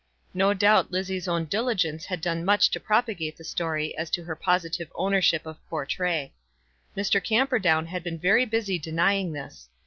No doubt Lizzie's own diligence had done much to propagate the story as to her positive ownership of Portray. Mr. Camperdown had been very busy denying this.